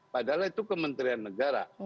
padahal itu kementerian negara